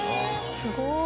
すごい。